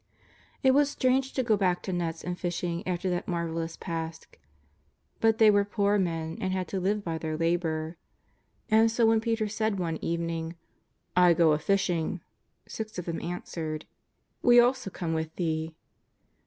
It was strange to go back to nets and fishing after that marvellous Pasch ; but they were poor men, and had to live by their labour. And so when Peter said one evening: " I go a fishing,'' six of them answered: " We also come wuth thee."